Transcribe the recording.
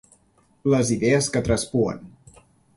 Les idees que traspuen.